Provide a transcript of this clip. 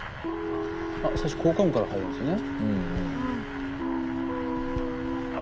最初効果音から入るんですね。